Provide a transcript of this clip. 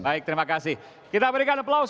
baik terima kasih kita berikan aplaus